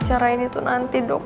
acara ini tuh nanti dok